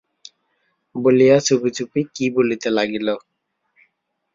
বলিয়া চুপি চুপি কী বলিতে লাগিল।